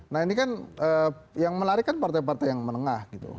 nah ini kan yang menarik kan partai partai yang menengah gitu